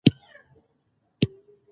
دوهم فصل